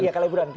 ya kalau liburan